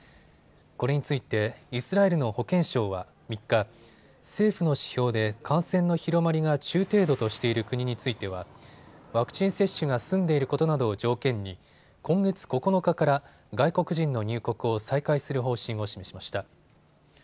これについてイスラエルの保健省は３日、政府の指標で感染の広まりが中程度としている国についてはワクチン接種が済んでいることなどを条件に今月９日から外国人の入国を再開する方針を示しました。